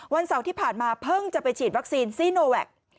เสาร์ที่ผ่านมาเพิ่งจะไปฉีดวัคซีนซีโนแวค